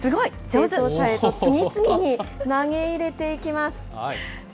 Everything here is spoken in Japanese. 清掃車へと次々に投げ入れていきます。